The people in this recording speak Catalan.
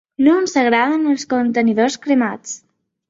No ens agraden els contenidors cremats.